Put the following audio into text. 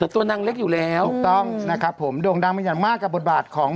ตัวนางเล็กอยู่แล้วถูกต้องนะครับผมโด่งดังเป็นอย่างมากกับบทบาทของ